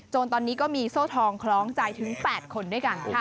ตอนนี้ก็มีโซ่ทองคล้องใจถึง๘คนด้วยกันค่ะ